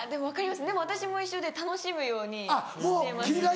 分かりますでも私も一緒で楽しむようにしてます。